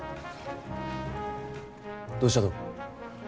どうしたと？